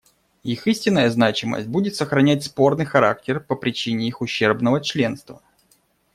Их истинная значимость будет сохранять спорный характер по причине их ущербного членства.